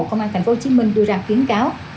công an tp hcm đưa ra khuyến cáo